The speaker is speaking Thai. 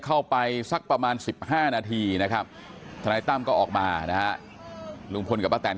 เข้าไปสักประมาณ๑๕นาทีนะครับทนายตั้มก็ออกมานะฮะลุงพลกับป้าแตน